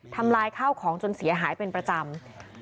ทำลายข้าวของจนเสียหายเป็นประจำ